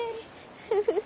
フフフ。